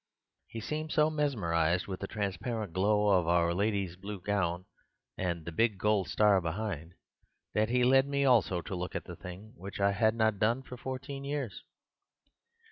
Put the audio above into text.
He seemed so mesmerized with the transparent glow of Our Lady's blue gown and the big gold star behind, that he led me also to look at the thing, which I had not done for fourteen years.